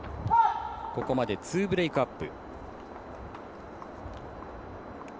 ここまで２ブレークアップ。